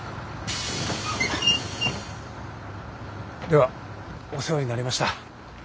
ではお世話になりました。